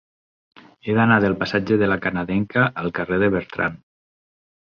He d'anar del passatge de La Canadenca al carrer de Bertran.